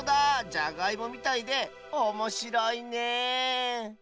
じゃがいもみたいでおもしろいね